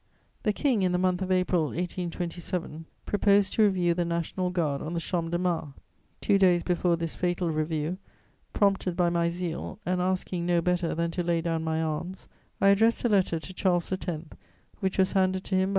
The King, in the month of April 1827, proposed to review the National Guard on the Champ de Mars. Two days before this fatal review, prompted by my zeal, and asking no better than to lay down my arms, I addressed a letter to Charles X., which was handed to him by M.